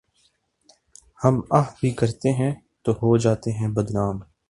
ہم آہ بھی کرتے ہیں تو ہو جاتے ہیں بدنام